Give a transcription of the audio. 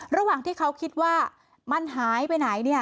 ระหว่างที่เขาคิดว่ามันหายไปไหนเนี่ย